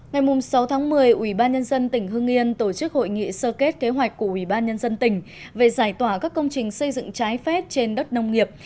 ngày sáu tháng một mươi ubnd tỉnh hương yên tổ chức hội nghị sơ kết kế hoạch của ubnd tỉnh về giải tỏa các công trình xây dựng trái phép trên đất nông nghiệp